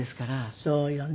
そうよね。